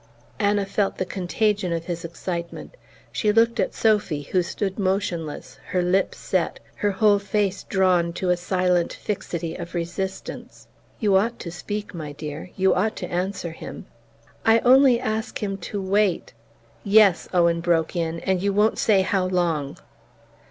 Anna felt the contagion of his excitement. She looked at Sophy, who stood motionless, her lips set, her whole face drawn to a silent fixity of resistance. "You ought to speak, my dear you ought to answer him." "I only ask him to wait " "Yes," Owen, broke in, "and you won't say how long!"